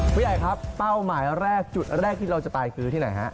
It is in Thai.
ผู้ใหญ่ครับเป้าหมายแรกจุดแรกที่เราจะไปคือที่ไหนฮะ